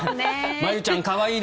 まゆちゃん、可愛い。